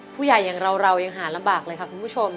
อย่างเรายังหาลำบากเลยค่ะคุณผู้ชม